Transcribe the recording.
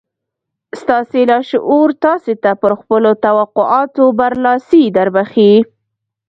ستاسې لاشعور تاسې ته پر خپلو توقعاتو برلاسي دربښي.